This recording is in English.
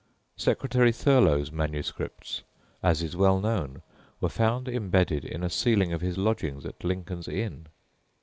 Secretary Thurloe's MSS., as is well known, were found embedded in a ceiling of his lodgings at Lincoln's Inn.